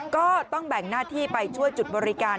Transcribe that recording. ก็ต้องแบ่งหน้าที่ไปช่วยจุดบริการ